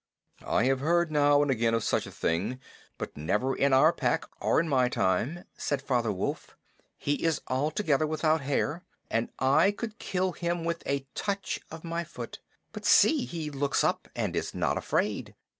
"I have heard now and again of such a thing, but never in our Pack or in my time," said Father Wolf. "He is altogether without hair, and I could kill him with a touch of my foot. But see, he looks up and is not afraid."